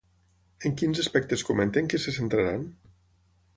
En quins aspectes comenten que se centraran?